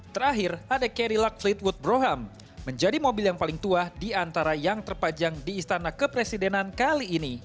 terakhir ada carrila kletewood broham menjadi mobil yang paling tua di antara yang terpajang di istana kepresidenan kali ini